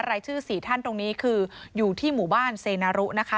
รายชื่อ๔ท่านตรงนี้คืออยู่ที่หมู่บ้านเซนารุนะคะ